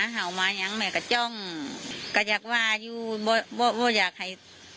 หาวมาอย่างไหมก็จ้องก็อยากว่าอยู่บ่อยอยากให้